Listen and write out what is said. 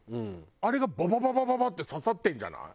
あれがババババババッて刺さってるんじゃない？